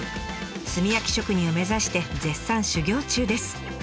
炭焼き職人を目指して絶賛修業中です。